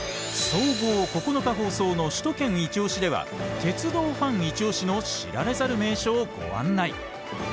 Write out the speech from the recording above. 総合９日放送の「首都圏いちオシ！」では鉄道ファンいちオシの知られざる名所をご案内！